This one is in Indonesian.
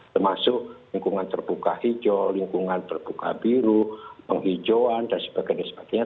termasuk lingkungan terbuka hijau lingkungan terbuka biru penghijauan dan sebagainya